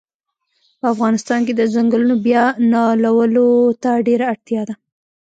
په افغانستان کښی د ځنګلونو بیا نالولو ته ډیره اړتیا ده